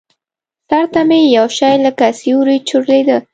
سر ته مې يو شى لکه سيورى چورلېده.